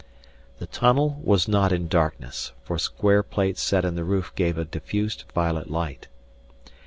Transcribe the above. The tunnel was not in darkness, for square plates set in the roof gave a diffused violet light.